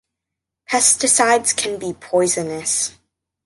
Pesticides can be poisonous.